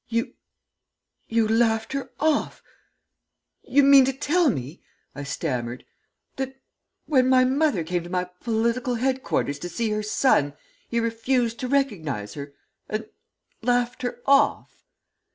"'You you laughed her off you mean to tell me,' I stammered, 'that when my mother came to my political headquarters to see her son, he refused to recognize her, and laughed her off?'